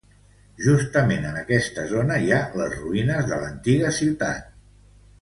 Justament en esta zona hi ha les ruïnes de l'antiga ciutat.